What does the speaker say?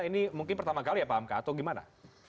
ini mungkin pertama kali ya paham kak atau bagaimana